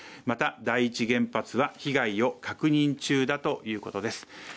また、第１原発は、被害を確認中だということです。